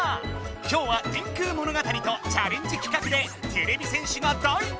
今日は電空物語とチャレンジ企画でてれび戦士が大活やく！